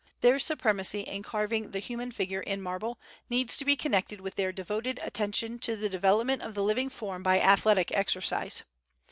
Their supremacy in carving the human figure in marble needs to be connected with their devoted attention to the development of the living form by athletic exercise.